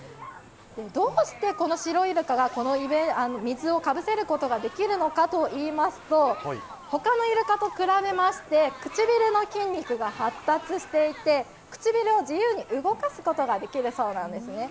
どうしてこのシロイルカが水をかぶせることができるのかというと他のイルカと比べまして唇の筋肉が発達していて唇を自由に動かすことができるそうなんですね。